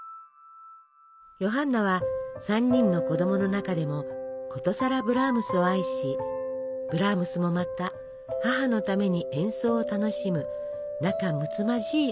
ヨハンナは３人の子供の中でもことさらブラームスを愛しブラームスもまた母のために演奏を楽しむ仲むつまじい親子でした。